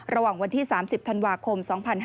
ระหว่างวันที่๓๐ธันวาคม๒๕๕๙